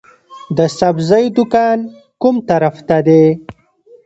د سبزۍ دکان کوم طرف ته دی؟